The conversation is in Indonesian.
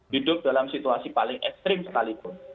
hidup dalam situasi paling ekstrim sekalipun